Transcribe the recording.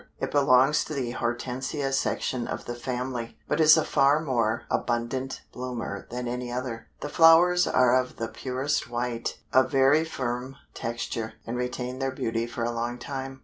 It belongs to the Hortensia section of the family, but is a far more abundant bloomer than any other. The flowers are of the purest white, of very firm texture, and retain their beauty for a long time.